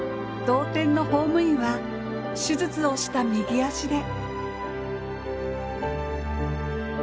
同点のホームインは手術をした右足で。